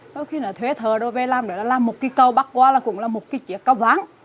lúc khi nào thuê thờ rồi về làm nữa là làm một cái cầu bắt qua là cũng là một cái chiếc cầu vắng